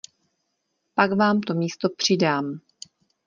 Pak vám to místo přidám.